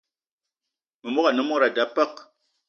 Memogo ane mod a da peuk.